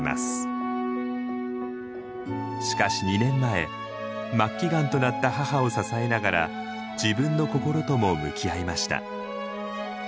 しかし２年前末期がんとなった母を支えながら自分の心とも向き合いました。